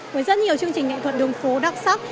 với rất nhiều chương trình nghệ thuật đường phố đặc sắc